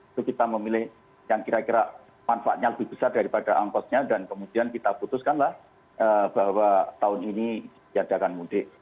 itu kita memilih yang kira kira manfaatnya lebih besar daripada angkosnya dan kemudian kita putuskanlah bahwa tahun ini diadakan mudik